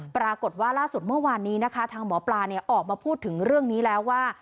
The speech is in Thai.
ปรากฏว่าล่าสุดเมื่อวานนี้นะคะทางหมอปลาออกมาพูดถึงเรื่องนี้แล้วว่า